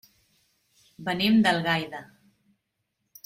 Venim d'Algaida.